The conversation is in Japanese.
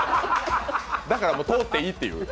だから通っていいっていう。